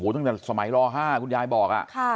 ตั้งแต่สมัยร๕คุณยายบอก